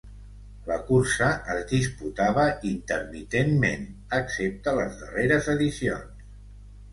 La cursa es disputava intermitentment, excepte les darreres edicions.